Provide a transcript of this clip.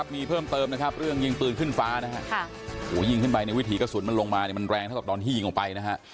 มีเพิ่มเติมนะครับเรื่องยิงปืนขึ้นฟ้านะฮะยิงขึ้นไปในวิถีกระสุนมันลงมามันแรงเท่ากับตอนที่ยิงออกไปนะฮะ